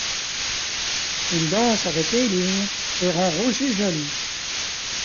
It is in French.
Il danse avec Eileen et rend Roger jaloux.